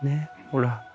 ほら。